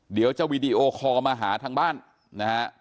เดี๋ยวจะวีดีโอคอลมาหาทางบ้านนะฮะ